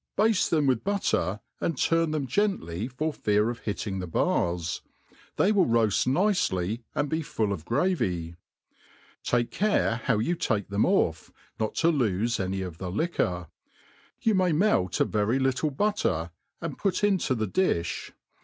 baftQ them with butter, and turn them gently for fear of nitting the bars. They will roaft nicely, and be fulKof gravy. Take; care how you ta|x them off, not to Ipfe any of the liquor. You may melt a very little butter, and put into the dilh.